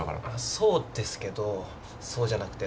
そうですけどそうじゃなくて。